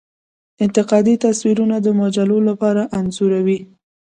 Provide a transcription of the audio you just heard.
انتقادي تصویرونه د مجلو لپاره انځوروي.